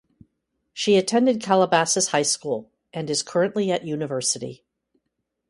She attended Calabasas High School and is currently at university.